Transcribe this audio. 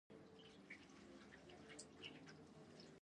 افغانستان تر هغو نه ابادیږي، ترڅو د ملي عوایدو راټولول شفاف نشي.